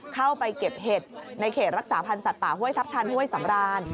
เข้าไปเก็บเห็ดในเขตรักษาพันธ์สัตว์ป่าห้วยทัพทันห้วยสำราน